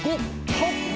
はっ！